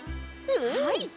はい！